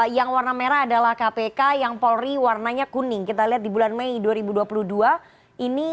yang warna merah adalah kpk yang polri warnanya kuning kita lihat di bulan mei dua ribu dua puluh dua ini